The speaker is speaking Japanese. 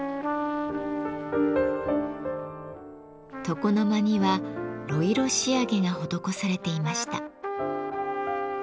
床の間には呂色仕上げが施されていました。